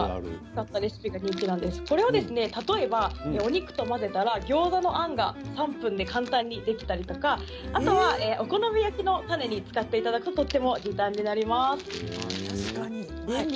これを例えばお肉と混ぜたらギョーザのあんが３分で簡単にできたりとかあとはお好み焼きのたねに使っていただくと時短になります。